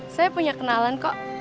saya punya kenalan kok